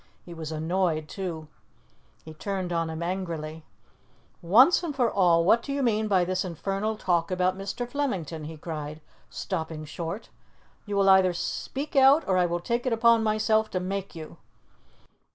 He was annoyed too. He turned on him angrily. "Once and for all, what do you mean by this infernal talk about Mr. Flemington?" he cried, stopping short. "You will either speak out, or I will take it upon myself to make you.